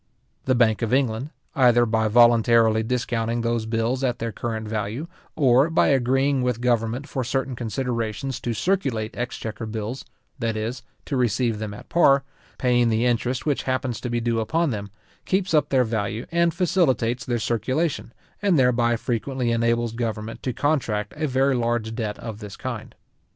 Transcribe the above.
The bank of England, either by voluntarily discounting those bills at their current value, or by agreeing with government for certain considerations to circulate exchequer bills, that is, to receive them at par, paying the interest which happens to be due upon them, keeps up their value, and facilitates their circulation, and thereby frequently enables government to contract a very large debt of this kind.